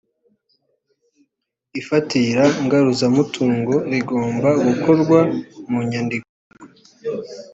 ifatira ngaruzamutungo rigomba gukorwa munyandiko